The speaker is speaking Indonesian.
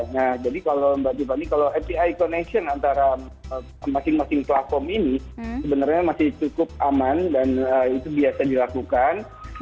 nah jadi kalau mbak tiffany kalau api connection antara masing masing platform ini sebenarnya masih cukup aman dan itu biasa dilakukan